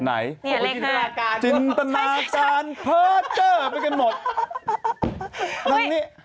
ไหนนี่เลข๕นี่